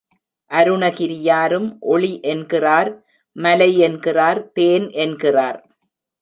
அருணகிரியாரும் ஒளி என்கிறார், மலை என்கிறார், தேன் என்கிறார்.